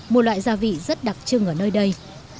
một loại gia vị rất đặc trưng ở nơi đây